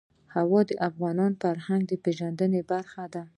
هوا د افغانانو د فرهنګي پیژندنې برخه ده.